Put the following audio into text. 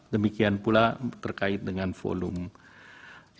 demikian pula terkait dengan volume